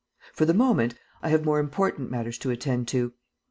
"For the moment, I have more important matters to attend to.